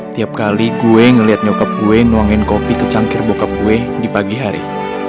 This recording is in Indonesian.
tiap kali gue ngeliat nyokap gue nuangin kopi kecangkir bokap gue di pagi hari